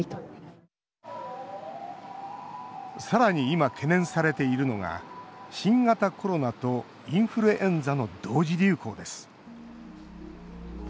今、懸念されているのが新型コロナとインフルエンザの同時流行です。